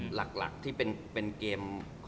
หลักที่เป็นเกม